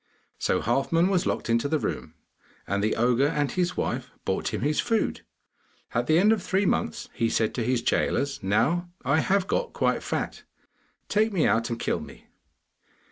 So Halfman was locked into the room, and the ogre and his wife brought him his food. At the end of three months he said to his gaolers: 'Now I have got quite fat; take me out, and kill me.